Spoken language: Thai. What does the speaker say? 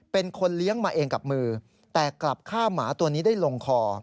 เป็นคนเลี้ยงมาเองกับมือแต่กลับฆ่าหมาตัวนี้ได้ลงคอ